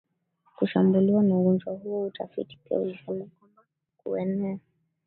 kushambuliwa na ugonjwa huo Utafiti pia ulisema kwamba kuenea